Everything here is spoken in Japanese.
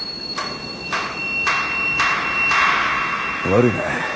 悪いね